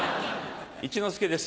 一之輔です